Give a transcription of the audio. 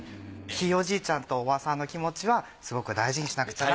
ひいおじいちゃんと伯母さんの気持ちはすごく大事にしなくちゃなって。